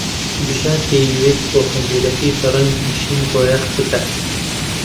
بژار دەیەوێت ئۆتۆمۆبیلەکەی بە ڕەنگی شین بۆیاغ بکات.